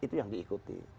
itu yang diikuti